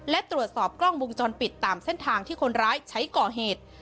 และตรวจสอบกล้องวงจรปิดตามเส้นทางที่คนร้ายใช้ก่อเหตุ